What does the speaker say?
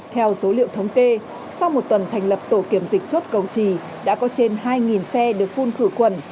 theo số liệu thống kê sau một tuần thành lập tổ kiểm dịch chốt cầu trì đã có trên hai xe được phun khử khuẩn